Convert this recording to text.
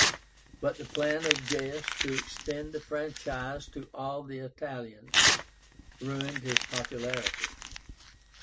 But the plan of Gaius to extend the franchise to all the Italians ruined his popularity.